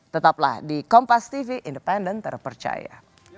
tetaplah di kompas tv independen terpercaya